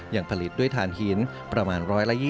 ยังผลิตด้วยฐานหินประมาณ๑๒๐